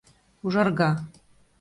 ужарга